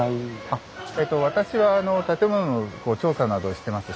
あっ私は建物の調査などをしてます